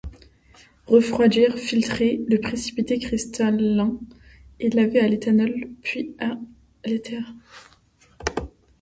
Refroidir, filtrer le précipité cristallin et laver à l’éthanol puis à l’éther.